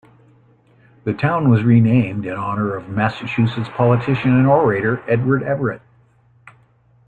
The town was renamed in honor of Massachusetts politician and orator Edward Everett.